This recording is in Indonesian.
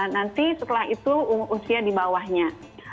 nanti setelah itu usia di bawahnya